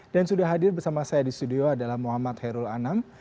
dan sudah hadir bersama saya di studio adalah muhammad herul anam